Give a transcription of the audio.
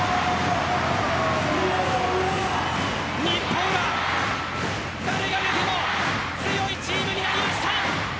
日本は誰が出ても強いチームになりました。